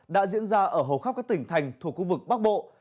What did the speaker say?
đã diễn ra ở hầu khắp các tỉnh thành thuộc khu vực bắc bộ